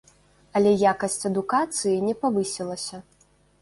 Але якасць адукацыі не павысілася.